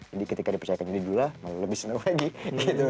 jadi ketika dipercayakan jadi dula malah lebih seneng lagi gitu